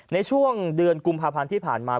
ในช่วงเดือนกุมภาพันธ์ที่ผ่านมา